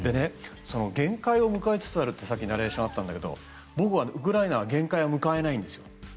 限界を迎えつつあるってさっきナレーションがあったけど僕はウクライナは限界を迎えないんですよ。